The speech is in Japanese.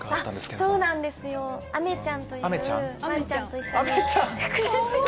そうなんですよあめちゃんというワンちゃんと一緒に暮らしてて。